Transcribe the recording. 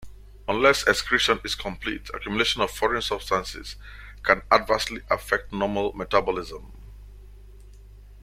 Unless excretion is complete, accumulation of foreign substances can adversely affect normal metabolism.